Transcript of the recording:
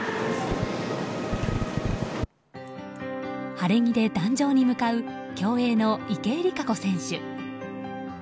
晴れ着で壇上に向かう競泳の池江璃花子選手。